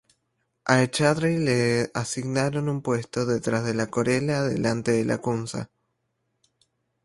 A Echarri le asignaron un puesto, detrás de Corella y delante de Lacunza.